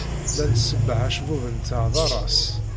La nsebbeɣ acebbub-nteɣ d aras.